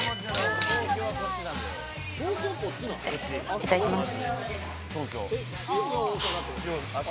いただきます。